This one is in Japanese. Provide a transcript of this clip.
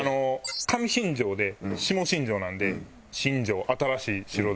上新庄で下新庄なんで「新城」「新しい城」で。